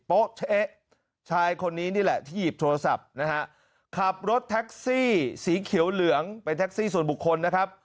เอ๊ะชายคนนี้นี่แหละที่หยิบโทรศัพท์นะฮะขับรถแท็กซี่สีเขียวเหลืองเป็นแท็กซี่ส่วนบุคคลนะครับ